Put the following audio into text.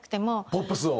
ポップスを。